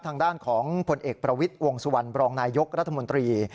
ทางด้านของผลเอกประวิทย์วงสุวรรณบรองนายยกรัฐมนตรี